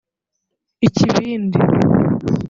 ikibindi